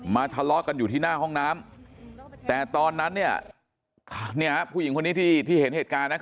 ทะเลาะกันอยู่ที่หน้าห้องน้ำแต่ตอนนั้นผู้หญิงคนนี้ที่เห็นเหตุการณ์